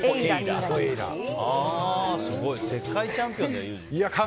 すごい、世界チャンピオンだよユージ。